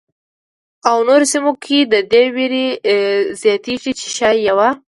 او نورو سیمو کې د دې وېره زیاتېږي چې ښايي یوه.